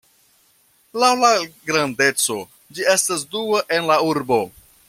Laŭ la grandeco, ĝi estas dua en la urbo.